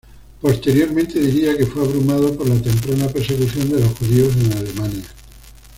Posteriormente, diría que fue abrumado por la temprana persecución de los judíos en Alemania.